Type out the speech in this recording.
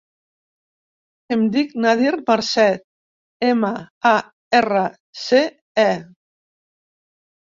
Em dic Nadir Marce: ema, a, erra, ce, e.